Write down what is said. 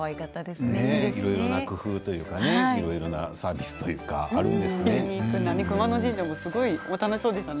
いろいろな工夫というかねいろいろなサービスというかあるんですね。